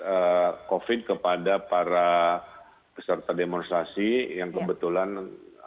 anda mengades covid kepada para ksia keserta demonstrate yang kebetulan di tahan kantor kantor polisi di jawa barat